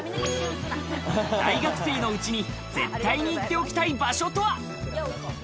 大学生のうちに絶対に行っておきたい場所とは？